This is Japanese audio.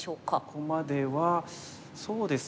ここまではそうですね。